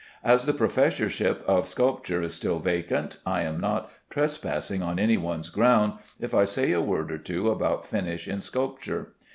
As the professorship of sculpture is still vacant, I am not trespassing on any one's ground if I say a word or two about finish in sculpture.